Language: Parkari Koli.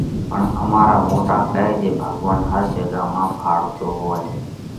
پڻ امارا موٽا ڪئه جي ڀڳوونَ هر جڳا مانه ڀاۯتو هووئه